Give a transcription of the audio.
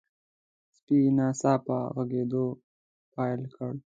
سپي ناڅاپه غريدو پيل کړ.